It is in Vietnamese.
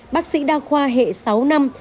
bác sĩ đa khoa hệ sáu năm